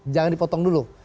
jangan dipotong dulu